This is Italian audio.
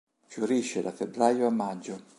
Fiorisce da febbraio a maggio.